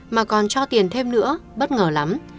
mà còn cho tiền thêm nữa bất ngờ lắm